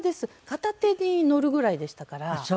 片手に乗るぐらいでしたから。